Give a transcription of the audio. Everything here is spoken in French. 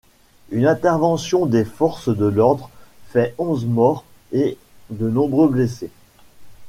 Une intervention des forces de l'ordre fait onze morts et de nombreux blessés.